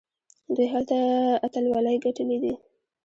دوی هلته اتلولۍ ګټلي دي.